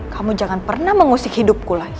kamu jangan pernah mengusik hidupku lagi